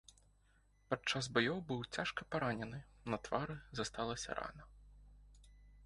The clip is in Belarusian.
Падчас баёў быў цяжка паранены, на твары засталася рана.